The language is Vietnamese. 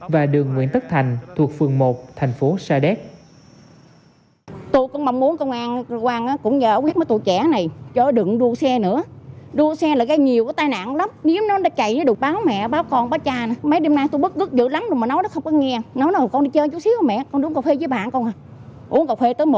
và đường nguyễn tất thành thuộc phường một thành phố sa đéc